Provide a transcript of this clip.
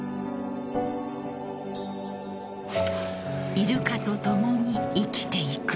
［イルカと共に生きていく］